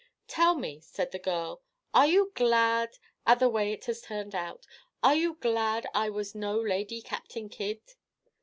"Tell me," said the girl, "are you glad at the way it has turned out? Are you glad I was no lady Captain Kidd?"